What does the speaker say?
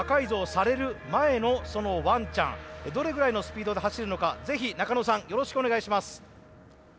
どれぐらいのスピードで走るのかぜひ中野さんよろしくお願いします。